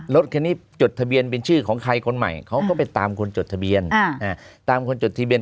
รถคันนี้จดทะเบียนเป็นชื่อของใครคนใหม่เขาก็ไปตามคนจดทะเบียนตามคนจดทะเบียน